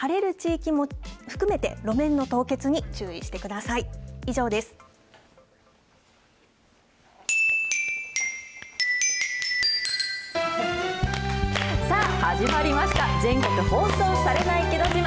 さあ、始まりました、全国放送されないけど自慢。